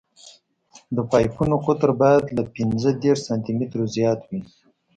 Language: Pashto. د پایپونو قطر باید له پینځه دېرش سانتي مترو زیات وي